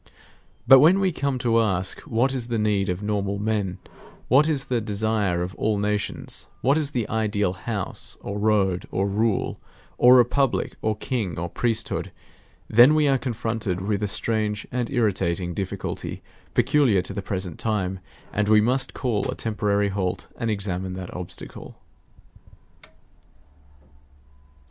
But when we come to ask what is the need of normal men, what is the desire of all nations, what is the ideal house, or road, or rule, or republic, or king, or priesthood, then we are confronted with a strange and irritating difficulty peculiar to the present time; and we must call a temporary halt and examine that obstacle.